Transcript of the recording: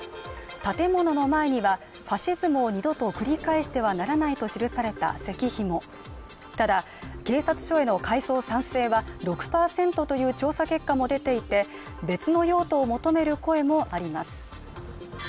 建物の前には、ファシズムを二度と繰り返してはならないと記された石碑もただ、警察署への改装賛成は６％という調査結果も出ていて別の用途を求める声もあります。